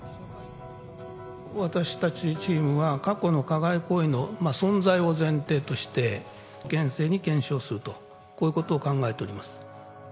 私たちのチームは、過去の加害行為の存在を前提として、厳正に検証すると、こういうことを考えております。